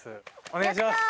お願いします。